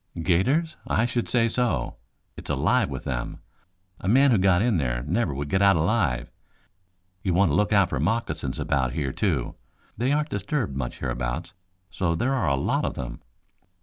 "'Gators? I should say so. It's alive with them. A man who got in there never would get out alive. You want to look out for moccasins about here, too. They aren't disturbed much hereabouts, so there are a lot of them."